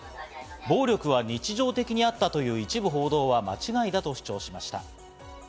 暴力は日常的にあったという一部報道は間違いだと主張しました。